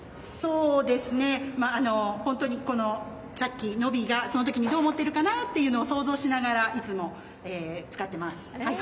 本当にチャキ、ノビがそのときにどう思っているかなと想像しながらいつも使っています。